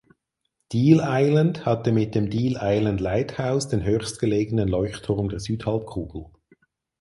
Deal Island hatte mit dem Deal Island Lighthouse den höchstgelegenen Leuchtturm der Südhalbkugel.